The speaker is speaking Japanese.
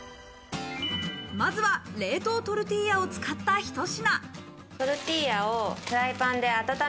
まずは冷凍トルティーヤを使ったひと品。